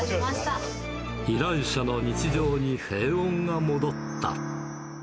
依頼者の日常に平穏が戻った。